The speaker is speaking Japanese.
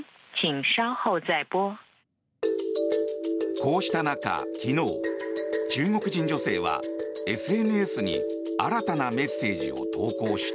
こうした中、昨日中国人女性はＳＮＳに新たなメッセージを投稿した。